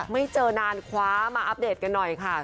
ไม่เจอนานคว้ามาอัปเดตกันหน่อยค่ะ